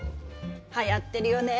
はやってるよね